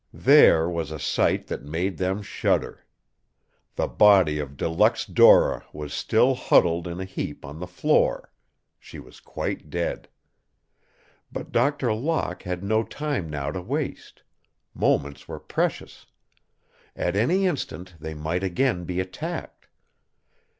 There was a sight that made them shudder. The body of De Luxe Dora was still huddled in a heap on the floor. She was quite dead. But Doctor Locke had no time now to waste. Moments were precious. At any instant they might again be attacked.